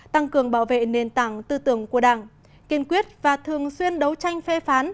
tăng cường bảo vệ nền tảng tư tưởng của đảng kiên quyết và thường xuyên đấu tranh phê phán